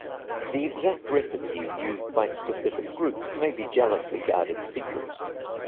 The exact recipes used by specific groups may be jealously guarded secrets.